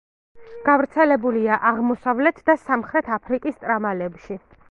გავრცელებულია აღმოსავლეთ და სამხრეთ აფრიკის ტრამალებში.